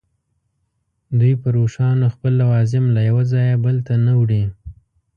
دوی پر اوښانو خپل لوازم له یوه ځایه بل ته نه وړي.